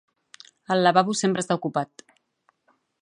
El lavabo sempre està ocupat